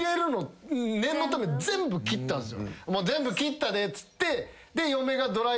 全部切ったでっつって嫁が。